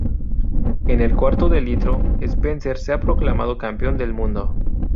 En el cuarto de litro, Spencer se proclama campeón del mundo.